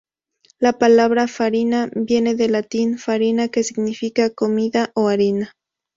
La palabra farina viene del latín "farina" que significa comida o harina.